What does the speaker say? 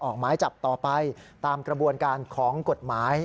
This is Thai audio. ออกหมายจับต่อไปตามกระบวนการของกฎหมาย